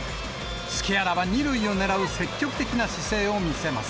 隙あらば２塁を狙う積極的な姿勢を見せます。